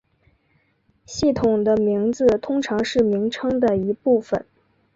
系统的名字通常是名称的一部分。